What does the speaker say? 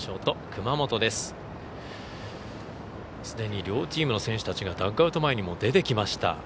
すでに両チームの選手たちがダグアウト前に出てきました。